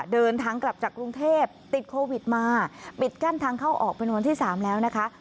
เดินทางกลับจากกรุงเทพติดโควิดมาปิดกั้นทางเข้าออกเป็นวันที่๓แล้วนะคะ